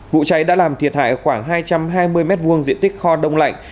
vụ cháy đã làm thiệt hại khoảng hai trăm hai mươi m hai diện tích kho đông lạnh